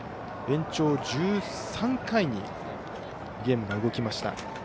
延長１３回にゲームが動きました。